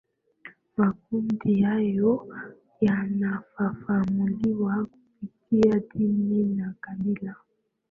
makundi hayo yanafafanuliwa kupitia dini na kabila